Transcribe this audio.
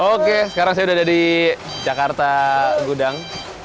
oke sekarang saya udah ada di jakarta gudang